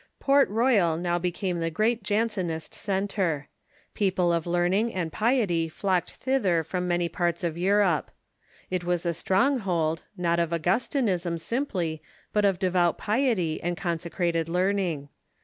Port Royal now became the great Jansenist centre. People of learning and piety flocked thither from many parts of Eu rope. It was a stronghold, not of Augustinism sim '' ply, but of devout piety and consecrated learning.